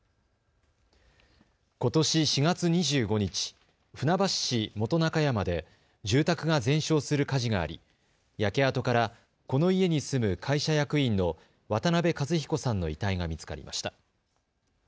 ことし４月２５日、船橋市本中山で住宅が全焼する火事があり焼け跡からこの家に住む会社役員の渡邉和彦さんの遺体が見つかりました。